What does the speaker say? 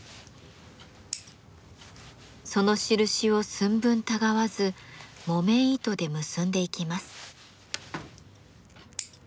その印を寸分たがわず木綿糸で結んでいきます。